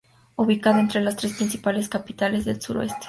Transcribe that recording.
Ubicada entre las tres principales capitales del suroeste.